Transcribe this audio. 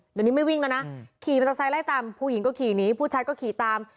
เดี๋ยวนี้ไม่วิ่งแล้วนะขี่มอเตอร์ไซค์ไล่ตามผู้หญิงก็ขี่หนีผู้ชายก็ขี่ตาม